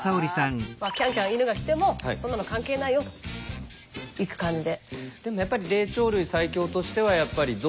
キャンキャン犬が来てもそんなの関係ないよといく感じで。